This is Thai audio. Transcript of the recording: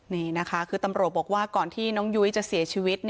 นี่นะคะคือตำรวจบอกว่าก่อนที่น้องยุ้ยจะเสียชีวิต